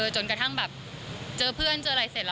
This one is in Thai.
จนกระทั่งแบบเจอเพื่อนเจออะไรเสร็จแล้ว